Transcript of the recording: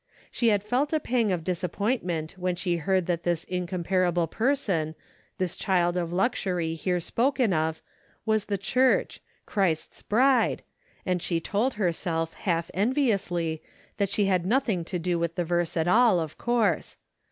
She had felt a pang of dis appointment when she heard that this incom parable person, this child of luxury here spoken of, was the church, Christ's bride, and she told herself, half enviously that she had nothing to do with the verse at all, of course.